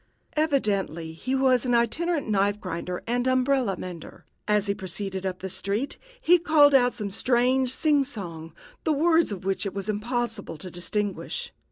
Evidently he was an itinerant knife grinder and umbrella mender. As he proceeded up the street, he called out some strange sing song, the words of which it was impossible to distinguish.